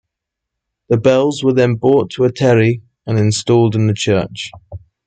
The bells were then brought to Otteri and installed in the church.